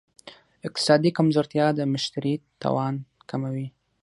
اقتصادي کمزورتیا د مشتري توان کموي.